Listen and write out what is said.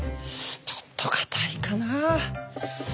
ちょっと堅いかな。